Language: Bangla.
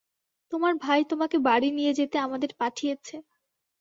তোমার ভাই তোমাকে বাড়ি নিয়ে যেতে আমাদের পাঠিয়েছে।